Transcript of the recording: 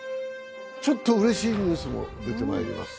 ちょっとうれしいニュースも出てまいります。